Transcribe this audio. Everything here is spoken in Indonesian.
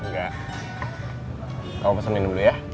gak kamu pesen minum dulu ya